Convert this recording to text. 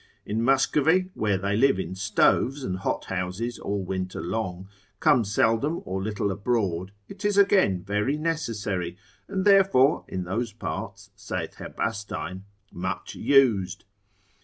In Muscovy, where they live in stoves and hot houses all winter long, come seldom or little abroad, it is again very necessary, and therefore in those parts, (saith Herbastein) much used.